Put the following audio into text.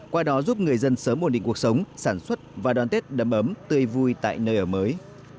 qua đó giúp người dân sớm ổn định cuộc sống sản xuất và đón tết đầm ấm tươi vui tại nơi ở mới